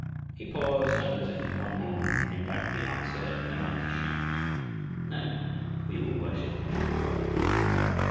He paused and as if from one man came back the answer in a mighty shout: "No, we will worship the true God!"